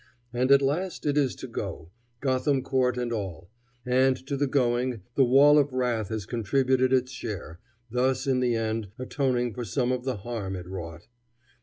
And at last it is to go, Gotham Court and all; and to the going the wall of wrath has contributed its share, thus in the end atoning for some of the harm it wrought.